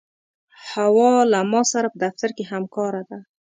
حوا له ما سره په دفتر کې همکاره ده.